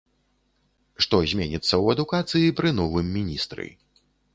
Што зменіцца ў адукацыі пры новым міністры.